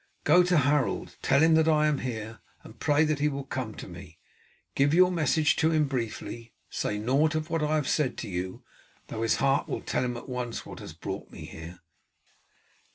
Go to Harold; tell him that I am here, and pray that he will come to me. Give your message to him briefly; say naught of what I have said to you, though his heart will tell him at once what has brought me here."